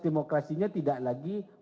demokrasinya tidak lagi